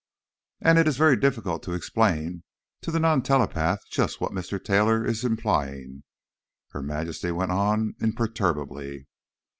"And it is very difficult to explain to the non telepath just what Mr. Taylor is implying," Her Majesty went on imperturbably.